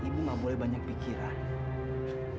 ibu gak boleh banyak pikiran